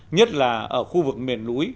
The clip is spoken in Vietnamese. nhất là ở khu vực miền núi